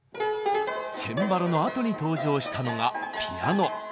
チェンバロのあとに登場したのがピアノ。